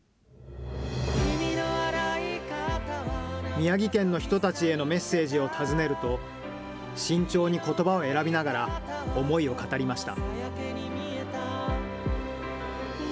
宮城県の人たちへのメッセージを尋ねると、慎重にことばを選びながら、思いを語りました。